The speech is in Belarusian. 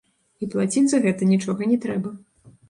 І плаціць за гэта нічога не трэба.